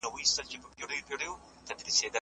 هلک قرانشریف له کړکۍ بهر وغورځاوه.